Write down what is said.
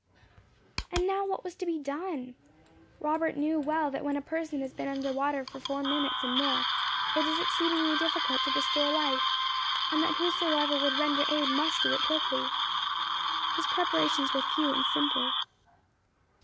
And now what was to be done? Robert knew well that when a person has been under water four minutes and more it is exceedingly difficult to restore life, and that whosoever would render aid must do it quickly. His preparations were few and simple.